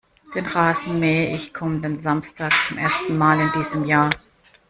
Den Rasen mähe ich kommenden Samstag zum ersten Mal in diesem Jahr.